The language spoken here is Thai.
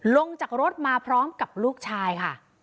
ลงจากรถมาพร้อมกับลูกชายค่ะ